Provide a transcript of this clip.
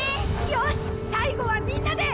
よし最後はみんなで！